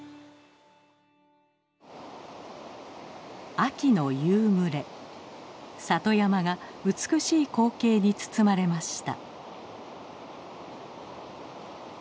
秋の夕暮れ里山が美しい光景に包まれました。